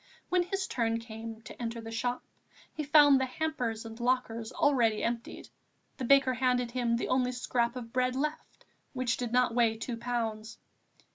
When his turn came to enter the shop, he found the hampers and lockers already emptied; the baker handed him the only scrap of bread left, which did not weigh two pounds.